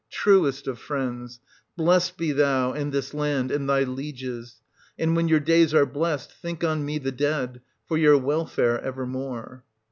— Truest of friends ! blessed be thou, and this land, and thy lieges ; and, when your days are blest, think on me the dead, for your welfare evermore.